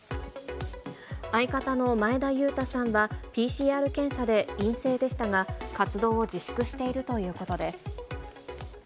相方の前田裕太さんは、ＰＣＲ検査で陰性でしたが、活動を自粛しているということです。